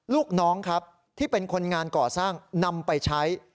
ลูกน้องครับที่เป็นคนงานก่อสร้างนำไปใช้